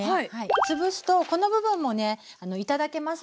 つぶすとこの部分もね頂けますよね。